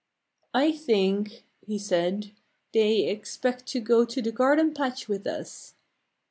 "I think," he said, "they expect to go to the garden patch with us."